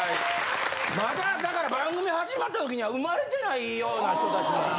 まだだから番組始まった時には生まれてないような人達も。